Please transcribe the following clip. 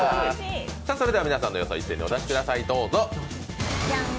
それでは皆さんの予想を一斉にお見せください。